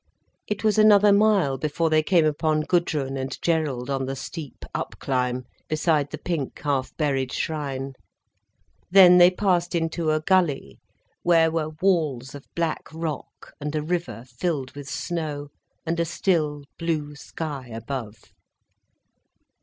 It was another mile before they came upon Gudrun and Gerald on the steep up climb, beside the pink, half buried shrine. Then they passed into a gulley, where were walls of black rock and a river filled with snow, and a still blue sky above.